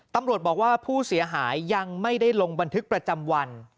ตำรวจบอกว่าผู้เสียหายยังไม่ได้ลงบันทึกประจำวัน